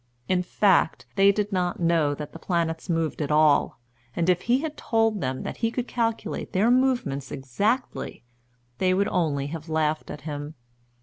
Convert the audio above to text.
In fact, they did not know that the planets moved at all; and if he had told them that he could calculate their movements exactly, they would only have laughed at him.